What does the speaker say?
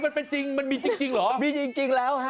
มันเป็นจริงมันมีจริงเหรอมีจริงแล้วฮะ